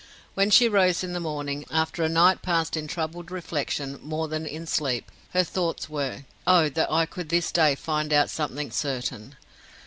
When she rose in the morning, after a night passed in troubled reflection more than in sleep, her thoughts were, "Oh, that I could this day find out something certain!"